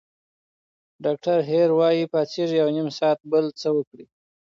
ډاکټره هیر وايي، پاڅېږئ او نیم ساعت بل څه وکړئ.